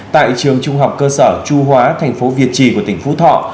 tại trường trung học cơ sở trung hóa thành phố việt trì của tỉnh phú thọ